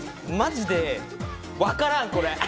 マジでわからん、これ！